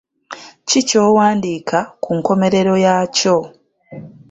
Ki ky'owandiika ku nkomerero yakyo?